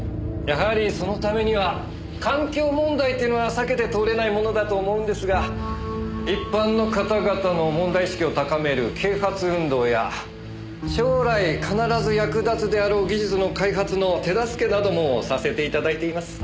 やはりそのためには環境問題っていうのは避けて通れないものだと思うんですが一般の方々の問題意識を高める啓発運動や将来必ず役立つであろう技術の開発の手助けなどもさせて頂いています。